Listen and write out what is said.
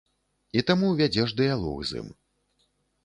І таму вядзеш дыялог з ім.